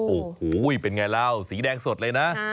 โอ้โหเป็นไงเล่าสีแดงสดเลยนะ